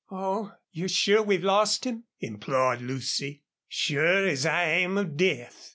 "Oh, you're sure we've lost him?" implored Lucy. "Sure as I am of death.